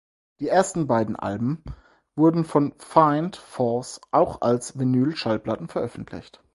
Die ersten beiden Alben wurden von "Fiend Force" auch als Vinyl-Schallplatten veröffentlicht.